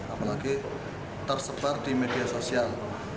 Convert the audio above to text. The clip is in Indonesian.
apalagi tersebar di media sosial